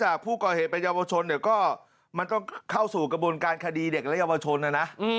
จากผู้ก่อเหตุเป็นเยาวชนเนี่ยก็มันต้องเข้าสู่กระบวนการคดีเด็กและเยาวชนนะนะ